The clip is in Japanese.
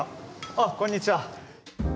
あっこんにちは。